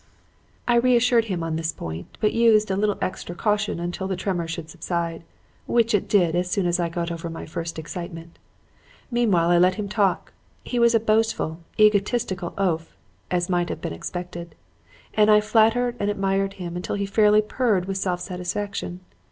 "I reassured him on this point, but used a little extra care until the tremor should subside; which it did as soon as I got over my first excitement. Meanwhile I let him talk he was a boastful, egotistical oaf, as might have been expected and I flattered and admired him until he fairly purred with self satisfaction.